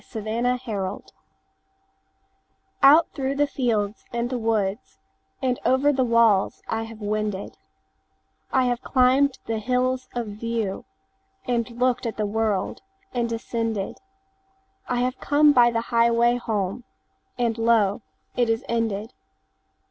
Reluctance OUT through the fields and the woodsAnd over the walls I have wended;I have climbed the hills of viewAnd looked at the world, and descended;I have come by the highway home, And lo, it is ended.